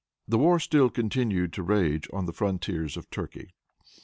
The war still continued to rage on the frontiers of Turkey.